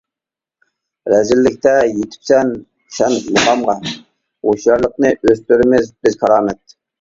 رەزىللىكتە يىتىپسەن سەن مۇقامغا، ھوشيارلىقنى ئۆستۈرىمىز بىز كارامەت.